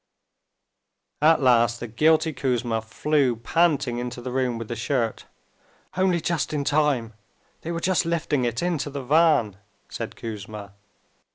At last the guilty Kouzma flew panting into the room with the shirt. "Only just in time. They were just lifting it into the van," said Kouzma.